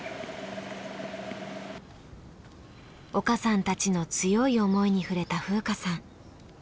岡さんたちの強い思いに触れた風花さん。